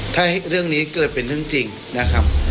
ถ้าเรื่องนี้เกิดเป็นเรื่องจริงนะครับ